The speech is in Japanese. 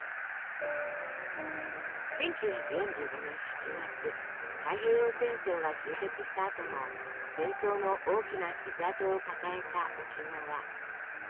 １９４５年８月太平洋戦争が終結したあとも戦争の大きな傷痕を抱えた沖縄。